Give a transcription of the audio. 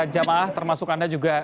jemaah termasuk anda juga